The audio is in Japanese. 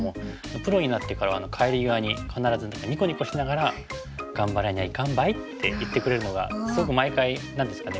プロになってからは帰り際に必ずニコニコしながらって言ってくれるのがすごく毎回何ですかね